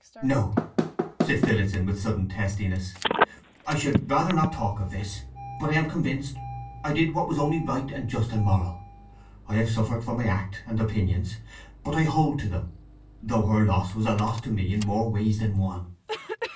"No," said Phillotson, with sudden testiness. "I would rather not talk of this, but—I am convinced I did only what was right, and just, and moral. I have suffered for my act and opinions, but I hold to them; though her loss was a loss to me in more ways than one!"